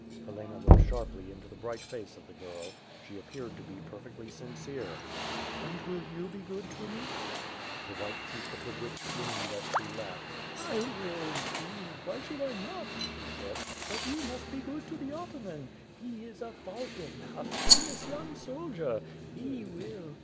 Helena looked sharply into the bright face of the girl. She appeared to be perfectly sincere. "And will you be good to me?" The white teeth of the witch gleamed as she laughed. "I will, indeed! Why should I not/' she said. "But you must be good to the ataman. He is a falcon, a famous young soldier. He will.